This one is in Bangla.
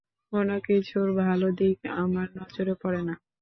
কোনো কিছুর ভালো দিক আমার নজরে পড়ে না।